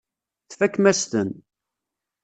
Tfakem-as-ten.